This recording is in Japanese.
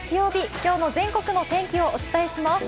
今日の全国のお天気をお伝えします。